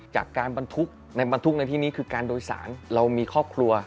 ๒จากการบรรทุกในบรรทุกในที่นี้คือการโดยสาร